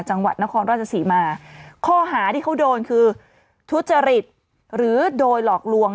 จังหวัดนครราชศรีมาข้อหาที่เขาโดนคือทุจริตหรือโดยหลอกลวง